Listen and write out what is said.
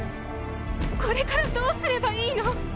これからどうすればいいの？